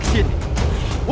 kami datang dari sini